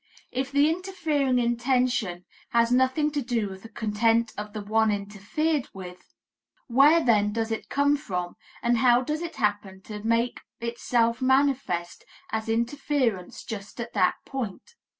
If the interfering intention has nothing to do with the content of the one interfered with, where then does it come from and how does it happen to make itself manifest as interference just at that point?